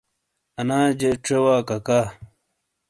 اناجے ژے واکاکا۔